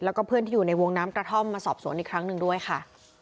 แล้วก็เพื่อนที่อยู่ในวงน้ำกระท่อมมาสอบสวนอีกครั้งหนึ่งด้วยค่ะ